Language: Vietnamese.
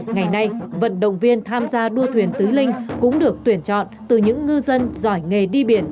ngày nay vận động viên tham gia đua thuyền tứ linh cũng được tuyển chọn từ những ngư dân giỏi nghề đi biển